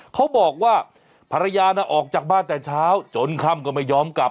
เขาบอกว่าภรรยาน่ะออกจากบ้านแต่เช้าจนค่ำก็ไม่ยอมกลับ